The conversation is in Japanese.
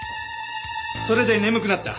それで眠くなった。